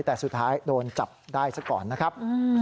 แต่สุดท้ายโดนจับได้ซะก่อนนะครับ